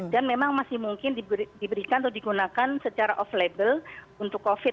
dan memang masih mungkin diberikan atau digunakan secara off label untuk covid